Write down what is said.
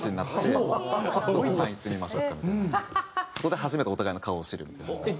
そこで初めてお互いの顔を知るみたいな。